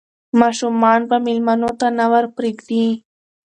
ماشومان به مېلمنو ته نه ور پرېږدي.